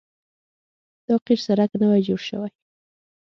دا قیر سړک نوی جوړ شوی